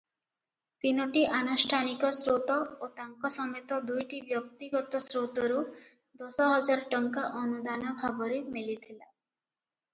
ତିନୋଟି ଆନୁଷ୍ଠାନିକ ସ୍ରୋତ ଓ ତାଙ୍କ ସମେତ ଦୁଇଟି ବ୍ୟକ୍ତିଗତ ସ୍ରୋତରୁ ଦଶହଜାର ଟଙ୍କା ଅନୁଦାନ ଭାବରେ ମିଳିଥିଲା ।